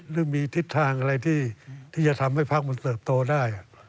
หรือมีทิศทางอะไรที่จะทำให้พักมันเติบโตได้